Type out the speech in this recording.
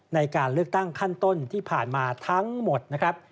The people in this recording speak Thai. ในการเลือกตั้งขั้นต้นที่ผ่านมาทั้งหมดนะครับ